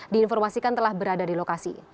diinformasikan telah berada di lokasi